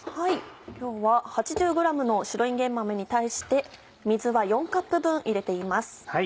今日は８０ｇの白いんげん豆に対して水は４カップ分入れています。